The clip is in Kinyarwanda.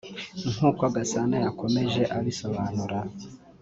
nk’uko Gasana yakomeje abisobanura